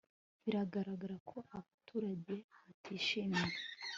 biragaragara ko abaturage batishimiye